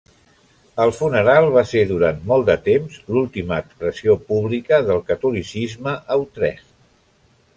El funeral va ser durant molt de temps l'última expressió pública del catolicisme a Utrecht.